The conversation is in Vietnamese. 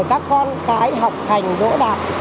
các con cái học hành đỗ đạp